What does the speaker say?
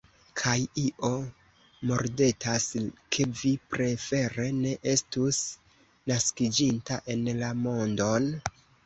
Kaj io mordetas, ke vi prefere ne estus naskiĝinta en la mondon?